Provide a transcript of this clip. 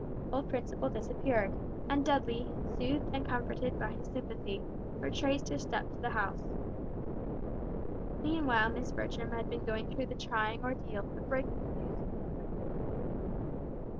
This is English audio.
Old Principle disappeared, and Dudley soothed and comforted by his sympathy, retraced his steps to the house. Meanwhile Miss Bertram had been going through the trying ordeal of breaking the news to the little invalid.